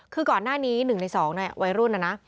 คือก่อนหน้านี้๑ใน๒วัยรุ่นนะนะ